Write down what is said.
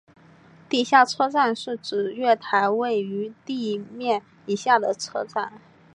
地下车站是指月台位于地面以下的车站。